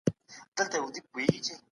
څېړونکي مخکې له مخکې موضوع ټاکلې وه.